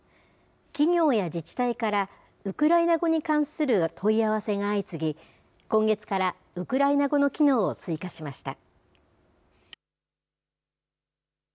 企業や自治体から、ウクライナ語に関する問い合わせが相次ぎ、今月からウクライナ語の機能を追加しました。